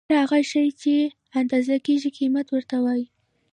هر هغه شی چې اندازه کيږي کميت ورته وايې.